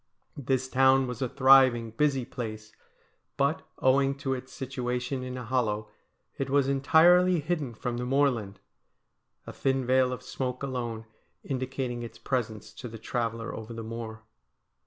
This town was a thriving, busy place ; but, owing to its situa tion in a hollow, it was entirely hidden from the moorland, a thin veil of smoke alone indicating its presence to the traveller over the moor.